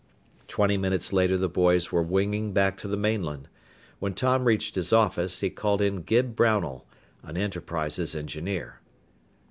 Twenty minutes later the boys were winging back to the mainland. When Tom reached his office, he called in Gib Brownell, an Enterprises engineer.